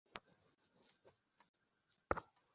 আমার ভাই এখনও ভিতরে!